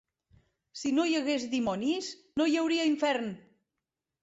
Si no hi hagués dimonis no hi hauria infern.